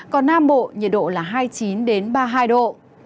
còn nam bộ nhiệt độ là hai mươi chín ba mươi hai độ